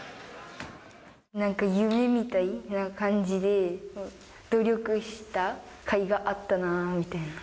なんか夢みたいな感じで、努力したかいがあったなみたいな。